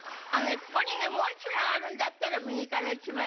ここにねもう一枚あるんだったら右から１枚目でいいです。